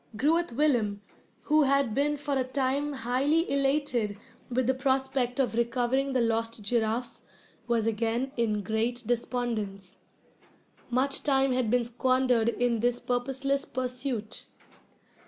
Groot Willem, who had been for a time highly elated with the prospect of recovering the lost giraffes, was again in great despondence. Much time had been squandered in this purposeless pursuit.